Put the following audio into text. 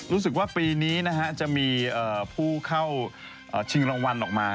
รู้สึกว่าปีนี้จะมีผู้เข้าชิงรางวัลออกมา